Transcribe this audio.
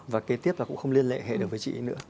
và kế tiếp là cũng không liên hệ được với chị nữa